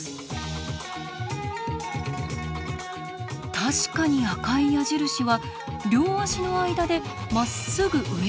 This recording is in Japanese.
確かに赤い矢印は両足の間でまっすぐ上を向いたまま。